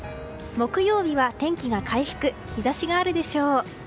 木曜日は天気が回復日差しがあるでしょう。